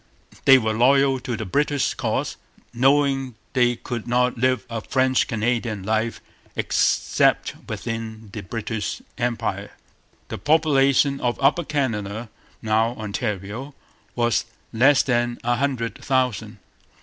They were loyal to the British cause, knowing they could not live a French Canadian life except within the British Empire. The population of Upper Canada, now Ontario, was less than a hundred thousand.